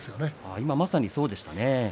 今まさにそうでしたね。